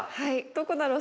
どこだろう？